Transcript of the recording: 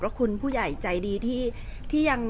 แต่ว่าสามีด้วยคือเราอยู่บ้านเดิมแต่ว่าสามีด้วยคือเราอยู่บ้านเดิม